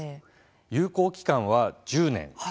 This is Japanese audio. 有効期間は１０年。